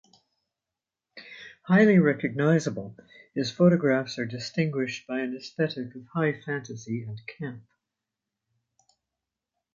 Highly recognizable, his photographs are distinguished by an aesthetic of high fantasy and camp.